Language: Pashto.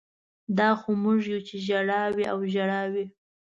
دا خو موږ یو چې ژړا وي او ژړا وي